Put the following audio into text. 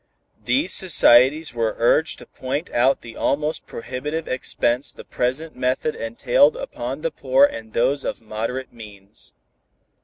These societies were urged to point out the almost prohibitive expense the present method entailed upon the poor and those of moderate means.